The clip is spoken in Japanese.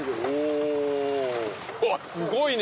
おあっすごいね！